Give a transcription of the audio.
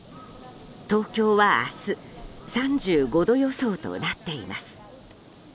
東京は明日３５度予想となっています。